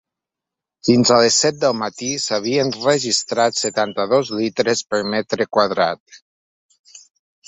Fins a les set del matí s’havien registrat setanta-dos litres per metre quadrat.